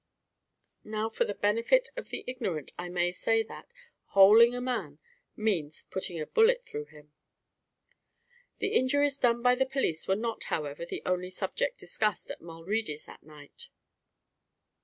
Now, for the benefit of the ignorant, I may say that, "holing a man," means putting a bullet through him. The injuries done by the police were not, however, the only subject discussed at Mulready's that night.